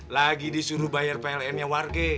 lagi disuruh bayar plnnya warga